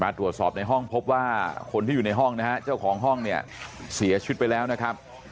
ตรวจสอบในห้องพบว่าคนที่อยู่ในห้องนะฮะเจ้าของห้องเนี่ยเสียชีวิตไปแล้วนะครับ